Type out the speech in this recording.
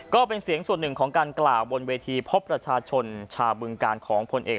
ก็เป็นเสียงส่วนหนึ่งของการกล่าวบนเวทีพบประชาชนชาวบึงการของพลเอก